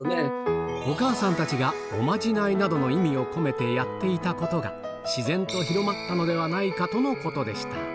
お母さんたちが、おまじないなどの意味を込めてやっていたことが、自然と広まったのではないかとのことでした。